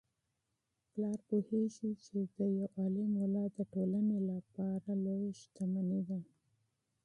پلار پوهیږي چي یو عالم اولاد د ټولنې لپاره لویه شتمني ده.